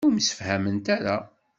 Ur msefhament ara.